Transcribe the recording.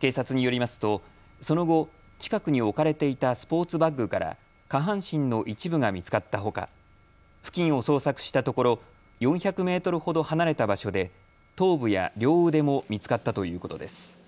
警察によりますとその後、近くに置かれていたスポーツバッグから下半身の一部が見つかったほか付近を捜索したところ４００メートルほど離れた場所で頭部や両腕も見つかったということです。